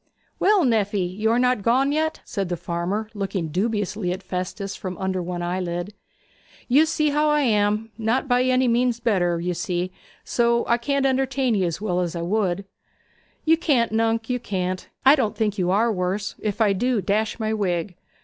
'Well, nephy, you are not gone yet?' said the farmer, looking dubiously at Festus from under one eyelid. 'You see how I am. Not by any means better, you see; so I can't entertain 'ee as well as I would.' 'You can't, nunc, you can't. I don't think you are worse if I do, dash my wig.